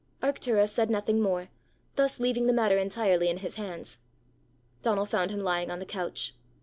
Arctura said nothing more, thus leaving the matter entirely in his hands. Donal found him lying on the couch.